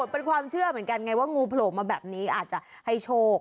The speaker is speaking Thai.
เป็นความเชื่อเหมือนกันไงว่างูโผล่มาแบบนี้อาจจะให้โชค